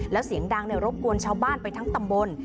แล้วเสียงดังรบกวนชาวบ้านไปทั้งตำบล